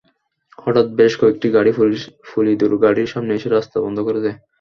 হঠাৎ বেশ কয়েকটি গাড়ি পুলিদোর গাড়ির সামনে এসে রাস্তা বন্ধ করে দেয়।